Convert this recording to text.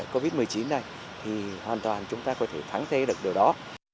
covid một mươi chín này thì hoàn toàn chúng ta có thể thắng tê được điều đó